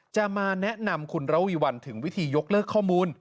จะมาแนะนำคุณระวีวันถึงวิธียกเลิกข้อมูล